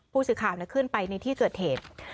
ผู้สื่อข่าวขึ้นไปในที่เกิดเหตุ